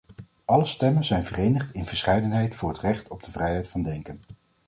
Alle stemmen zijn verenigd in verscheidenheid voor het recht op de vrijheid van denken.